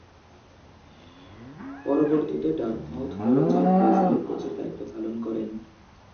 পরবর্তীতে ডার্টমাউথ কলেজের বেসবল কোচের দায়িত্ব পালন করেন।